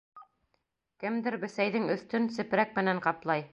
Кемдер бесәйҙең өҫтөн сепрәк менән ҡаплай.